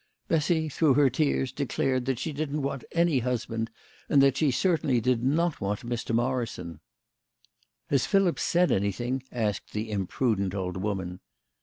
Bessy through her tears declared that she didn't want any husband, and that she certainly did not want Mr. Morrison. " Has Philip said anything ?" asked the imprudent old woman.